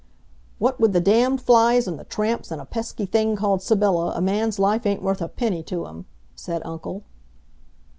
"What with the damned flies, and the tramps, and a pesky thing called Sybylla, a man's life ain't worth a penny to him," said uncle.